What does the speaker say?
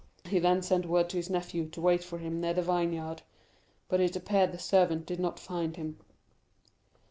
He then sent word to his nephew to wait for him near the vineyard; but it appeared the servant did not find him.